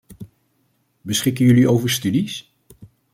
Beschikken jullie over studies?